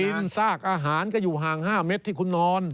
ซากอาหารก็อยู่ห่าง๕เมตรที่คุณนอน